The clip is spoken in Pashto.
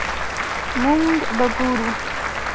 مونږ به ګورو